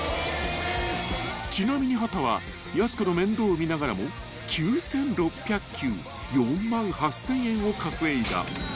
［ちなみに秦はやす子の面倒を見ながらも９，６００球４万８，０００円を稼いだ］